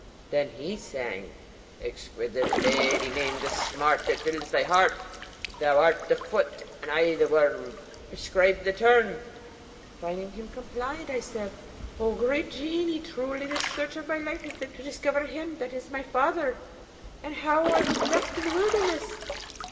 Then he sang: Exquisite lady! name the smart That fills thy heart. Thou art the foot and I the worm: Prescribe the Term. Finding him compliant, I said, 'O great Genie, truly the search of my life has been to discover him that is, my father, and how I was left in the wilderness.